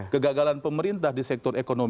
kegagalan pemerintah di sektor ekonomi